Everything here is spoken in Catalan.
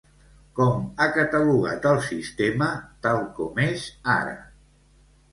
Com ha catalogat al sistema tal com és ara?